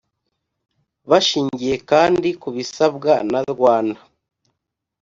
Bashingiye kandi ku bisabwa na rwanda